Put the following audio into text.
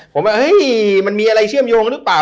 ผมว่าเฮ้ยมันมีอะไรเชื่อมโยงหรือเปล่า